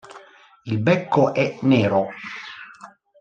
Il becco è nero.